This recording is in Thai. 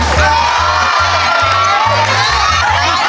ขอบคุณครับ